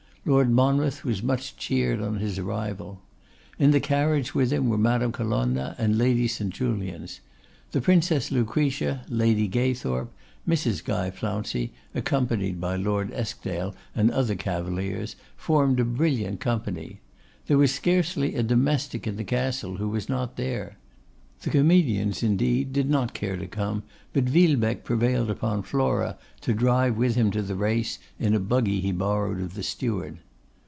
Lord Monmouth was much cheered on his arrival. In the carriage with him were Madame Colonna and Lady St. Julians. The Princess Lucretia, Lady Gaythorp, Mrs. Guy Flouncey, accompanied by Lord Eskdale and other cavaliers, formed a brilliant company. There was scarcely a domestic in the Castle who was not there. The comedians, indeed, did not care to come, but Villebecque prevailed upon Flora to drive with him to the race in a buggy he borrowed of the steward.